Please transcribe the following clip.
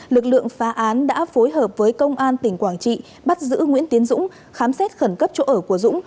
lực lượng phá án đã phối hợp với công an tỉnh quảng trị bắt giữ nguyễn tiến dũng khám xét khẩn cấp chỗ ở của dũng